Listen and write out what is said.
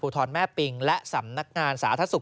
ทรแม่ปิงและสำนักงานสาธารณสุข